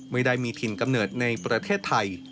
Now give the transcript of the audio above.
ไม่ได้มีถิ่นกำเนิดในประเทศไทย